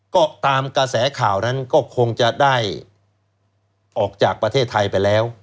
ก็ตามกระแสข่าวนั้นก็คงจะได้ออกจากประเทศไทยไปแล้ว